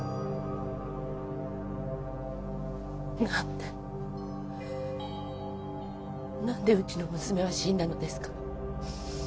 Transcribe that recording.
なんでなんでうちの娘は死んだのですか？